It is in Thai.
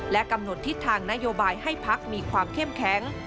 และกำหนดทิศทางนโยบายให้พักมีความเข้มแข็ง